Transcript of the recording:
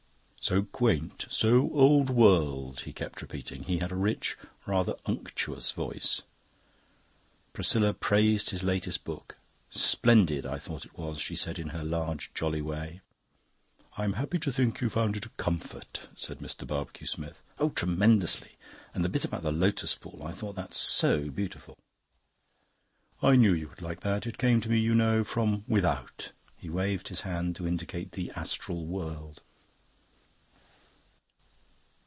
"So quaint, so old world," he kept repeating. He had a rich, rather unctuous voice. Priscilla praised his latest book. "Splendid, I thought it was," she said in her large, jolly way. "I'm happy to think you found it a comfort," said Mr. Barbecue Smith. "Oh, tremendously! And the bit about the Lotus Pool I thought that so beautiful." "I knew you would like that. It came to me, you know, from without." He waved his hand to indicate the astral world.